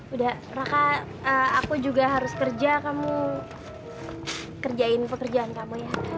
udah raka aku juga harus kerja kamu kerjain pekerjaan kamu ya